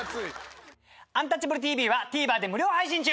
「アンタッチャブるＴＶ」はＴＶｅｒで無料配信中！